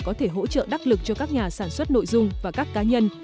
có thể hỗ trợ đắc lực cho các nhà sản xuất nội dung và các cá nhân